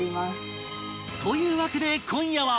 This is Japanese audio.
というわけで今夜は